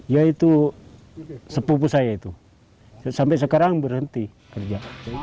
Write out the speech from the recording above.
ya itu sepupu saya itu sampai sekarang berhenti kerja